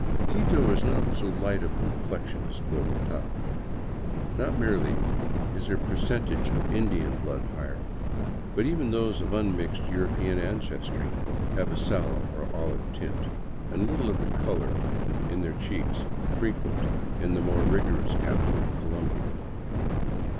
Quito is not so light of complexion as Bogota. Not merely is her I ' 145 VAGABONDING DOWN THE ANDES percentage of Indian blood higher, but even those of unmixed Euro pean ancestry have a sallow or olive tint, and little of the color in their cheeks frequent in the more rigorous capital of Colombia.